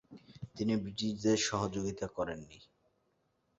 তিনি ব্রিটিশদের সহযোগিতা করেননি।